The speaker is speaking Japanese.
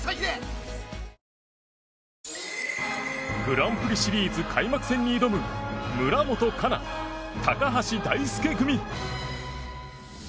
グランプリシリーズ開幕戦に挑む村元哉中、高橋大輔組。